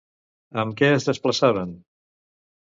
Amb què es desplaçaven?